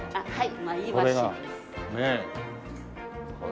はい。